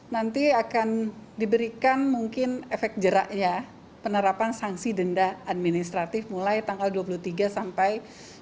nanti akan diberikan mungkin efek jeraknya penerapan sanksi denda administrasi